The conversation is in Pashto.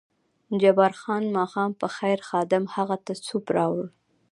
جبار خان: ماښام په خیر، خادم هغه ته سوپ راوړ.